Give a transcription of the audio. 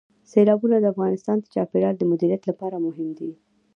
سیلابونه د افغانستان د چاپیریال د مدیریت لپاره مهم دي.